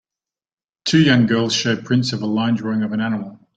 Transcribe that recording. Two young girls show prints of a line drawing of an animal.